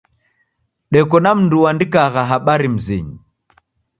Deko na mndu uandikagha habari mzinyi.